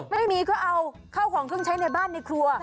ไม่มีก็เอาข้าวของเครื่องใช้ในบ้านในครัว